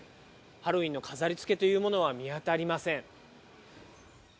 ハロウィーンの飾りつけというのは見当たりません。